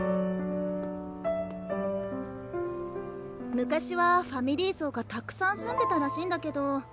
昔はファミリー層がたくさん住んでたらしいんだけど。